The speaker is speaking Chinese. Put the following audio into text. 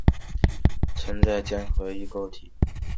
硫氰酸根存在键合异构体。